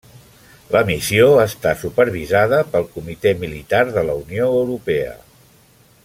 La missió està supervisada pel Comitè Militar de la Unió Europea.